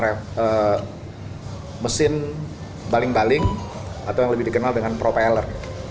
ada mesin baling baling atau yang lebih dikenal dengan propeller